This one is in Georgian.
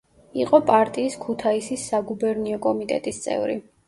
იყო პარტიის ქუთაისის საგუბერნიო კომიტეტის წევრი.